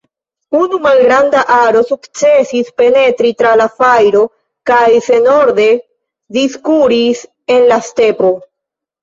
Unu malgranda aro sukcesis penetri tra la fajro kaj senorde diskuris en la stepo.